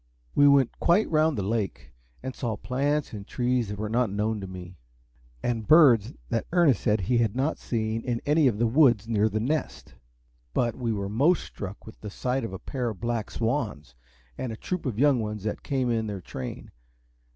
We went quite round the lake, and saw plants and trees that were not known to me, and birds that Ernest said he had not seen in any of the woods near The Nest. But we were most struck with the sight of a pair of black swans, and a troop of young ones that came in their train.